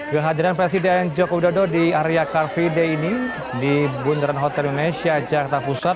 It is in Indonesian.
kehadiran presiden joko widodo di area car free day ini di bundaran hotel indonesia jakarta pusat